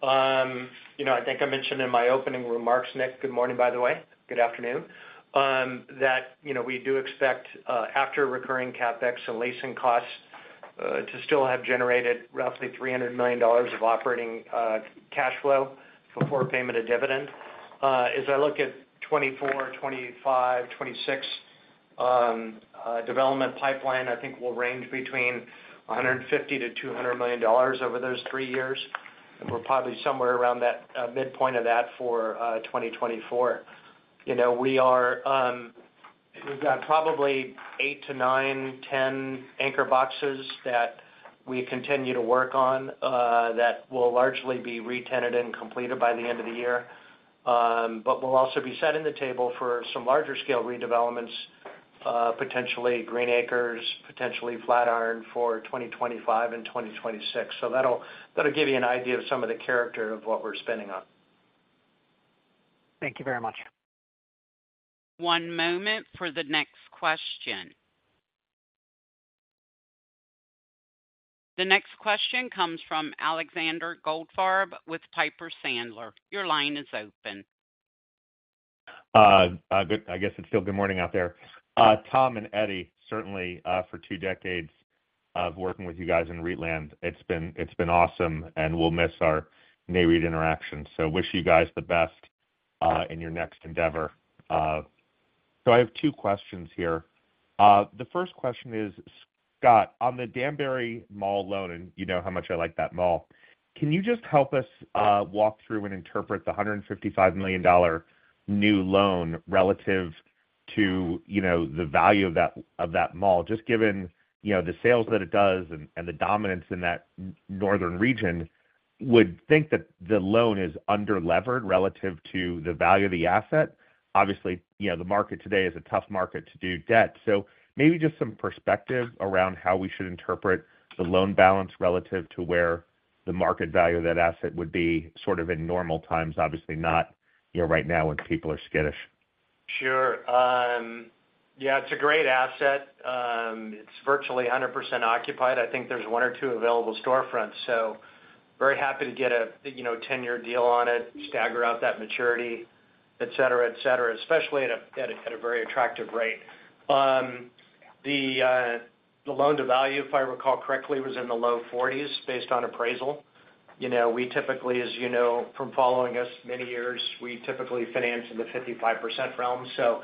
You know, I think I mentioned in my opening remarks, Nick, good morning, by the way, good afternoon, that, you know, we do expect, after recurring CapEx and leasing costs, to still have generated roughly $300 million of operating cash flow before payment of dividend. As I look at 2024, 2025, 2026, development pipeline, I think will range between $150-$200 million over those three years, and we're probably somewhere around that midpoint of that for 2024. You know, we are. We've got probably 8-10 anchor boxes that we continue to work on, that will largely be retenanted and completed by the end of the year. but we'll also be setting the table for some larger scale redevelopments, potentially Green Acres, potentially FlatIron for 2025 and 2026. So that'll, that'll give you an idea of some of the character of what we're spending on. Thank you very much. One moment for the next question. The next question comes from Alexander Goldfarb with Piper Sandler. Your line is open. Good morning out there. Tom and Eddie, certainly, for two decades of working with you guys in REIT land, it's been awesome, and we'll miss our Nareit interaction. So wish you guys the best in your next endeavor. So I have two questions here. The first question is, Scott, on the Danbury Mall loan, and you know how much I like that mall, can you just help us walk through and interpret the $155 million new loan relative to, you know, the value of that mall, just given, you know, the sales that it does and the dominance in that northern region. Would think that the loan is underlevered relative to the value of the asset. Obviously, you know, the market today is a tough market to do debt. So maybe just some perspective around how we should interpret the loan balance relative to where the market value of that asset would be, sort of in normal times, obviously, not, you know, right now when people are skittish. Sure. Yeah, it's a great asset. It's virtually 100% occupied. I think there's one or two available storefronts, so very happy to get a, you know, 10-year deal on it, stagger out that maturity, et cetera, et cetera, especially at a, at a, at a very attractive rate. The, the loan-to-value, if I recall correctly, was in the low 40s, based on appraisal. You know, we typically, as you know, from following us many years, we typically finance in the 55% realm. So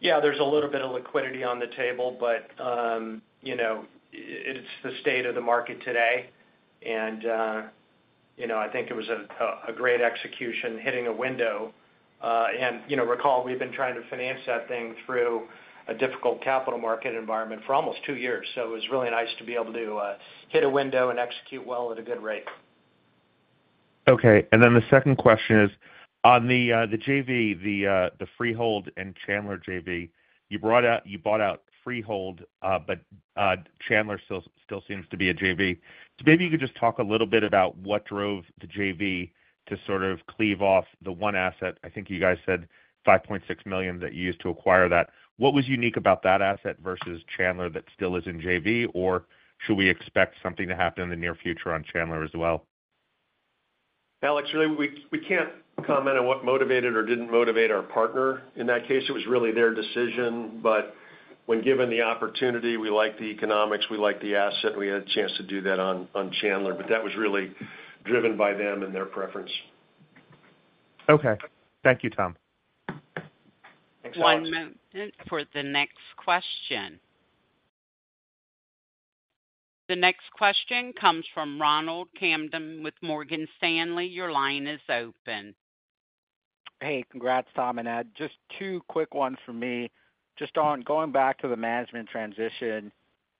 yeah, there's a little bit of liquidity on the table, but, you know, it's the state of the market today. And, you know, I think it was a, a great execution, hitting a window. And, you know, recall, we've been trying to finance that thing through a difficult capital market environment for almost two years. So it was really nice to be able to hit a window and execute well at a good rate. Okay, and then the second question is, on the, the JV, the Freehold and Chandler JV, you brought out, you bought out Freehold, but, Chandler still seems to be a JV. So maybe you could just talk a little bit about what drove the JV to sort of cleave off the one asset. I think you guys said $5.6 million that you used to acquire that. What was unique about that asset versus Chandler that still is in JV, or should we expect something to happen in the near future on Chandler as well? Alex, really, we can't comment on what motivated or didn't motivate our partner. In that case, it was really their decision, but when given the opportunity, we liked the economics, we liked the asset. We had a chance to do that on Chandler, but that was really driven by them and their preference. Okay. Thank you, Tom. One moment for the next question. The next question comes from Ronald Kamdem with Morgan Stanley. Your line is open. Hey, congrats, Tom and Ed. Just two quick ones for me. Just on going back to the management transition,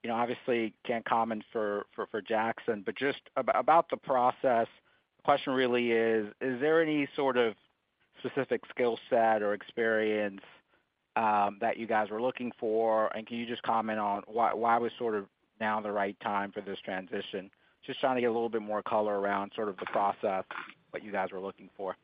you know, obviously, can't comment for Jackson, but just about the process, the question really is: Is there any sort of specific skill set or experience that you guys were looking for? And can you just comment on why was sort of now the right time for this transition? Just trying to get a little bit more color around sort of the process, what you guys were looking for.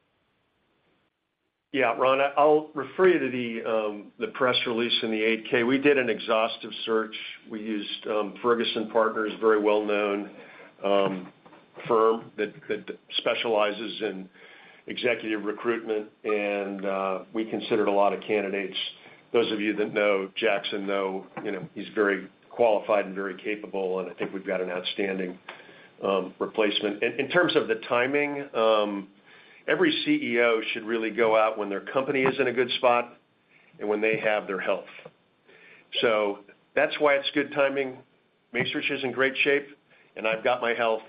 Yeah, Ron, I'll refer you to the press release in the 8-K. We did an exhaustive search. We used Ferguson Partners, very well-known firm that specializes in executive recruitment, and we considered a lot of candidates. Those of you that know Jackson know he's very qualified and very capable, and I think we've got an outstanding replacement. In terms of the timing, every CEO should really go out when their company is in a good spot and when they have their health. So that's why it's good timing. Macerich is in great shape, and I've got my health,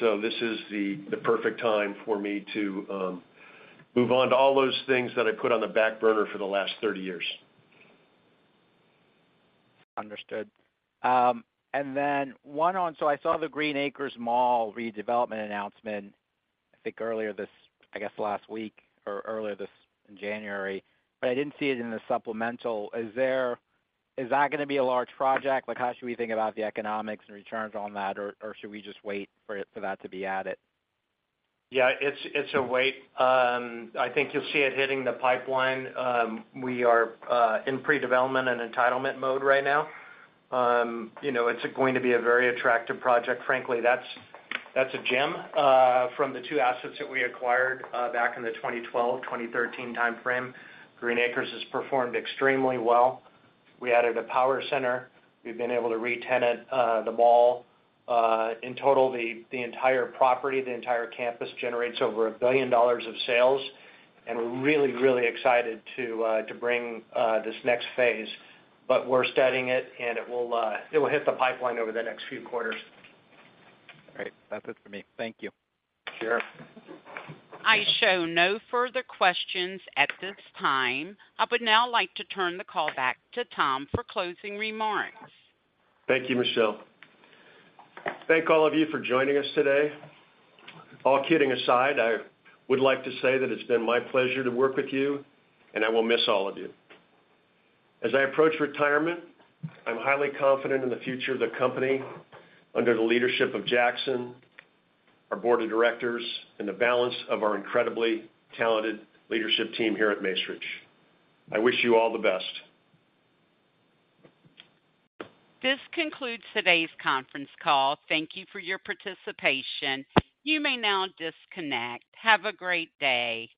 so this is the perfect time for me to move on to all those things that I put on the back burner for the last 30 years. Understood. And then one on... So I saw the Green Acres Mall redevelopment announcement, I think, earlier this, I guess, last week or earlier this January, but I didn't see it in the supplemental. Is there—is that gonna be a large project? Like, how should we think about the economics and returns on that, or should we just wait for it, for that to be added? Yeah, it's a wait. I think you'll see it hitting the pipeline. We are in predevelopment and entitlement mode right now. You know, it's going to be a very attractive project. Frankly, that's a gem. From the two assets that we acquired back in the 2012, 2013 timeframe, Green Acres has performed extremely well. We added a power center. We've been able to retenant the mall. In total, the entire property, the entire campus, generates over $1 billion of sales, and we're really, really excited to bring this next phase. But we're studying it, and it will hit the pipeline over the next few quarters. All right. That's it for me. Thank you. Sure. I show no further questions at this time. I would now like to turn the call back to Tom for closing remarks. Thank you, Michelle. Thank all of you for joining us today. All kidding aside, I would like to say that it's been my pleasure to work with you, and I will miss all of you. As I approach retirement, I'm highly confident in the future of the company under the leadership of Jackson, our board of directors, and the balance of our incredibly talented leadership team here at Macerich. I wish you all the best. This concludes today's conference call. Thank you for your participation. You may now disconnect. Have a great day.